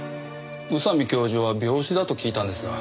宇佐美教授は病死だと聞いたんですが。